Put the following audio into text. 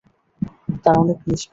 তারা অনেক নিষ্পাপ।